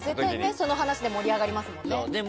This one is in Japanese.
絶対、その話で盛り上がりますもんね。